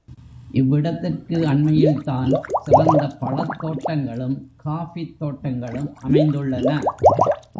இவ்விடத்திற்கு அண்மையில்தான் சிறந்த பழத் தோட்டங்களும் காஃபித் தோட்டங்களும் அமைந்துள்ளன.